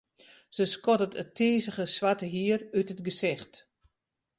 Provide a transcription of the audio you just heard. Se skoddet it tizige swarte hier út it gesicht.